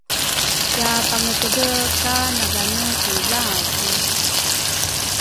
Sia Pangetedre ka nagane ki lasu?